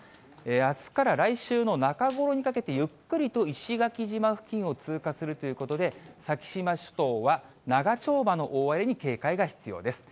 あすから来週の中頃にかけて、ゆっくりと石垣島付近を通過するということで、先島諸島は、長丁場の大荒れに警戒が必要です。